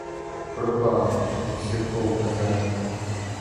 Пропали, як сірко в базарі!